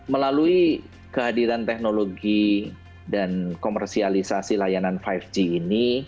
melalui kehadiran teknologi dan komersialisasi layanan lima g ini